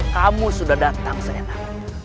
kamu sudah datang seenak